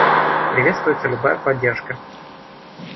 Приветствуется любая поддержка.